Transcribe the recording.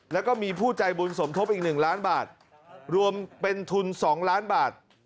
แล้วก็มีผู้ใจบุญสมทบอีก๑ล้านบาทรวมเป็นทุน๒ล้านบาท